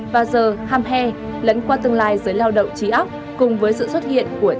và giờ chúng ta sẽ có thể tìm hiểu những điều này